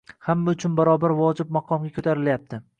hamma uchun barobar vojib maqomga ko‘tarilyapti.